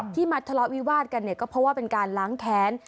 มาทะเลาะวิวาดกันเนี่ยก็เพราะว่าเป็นการล้างแค้น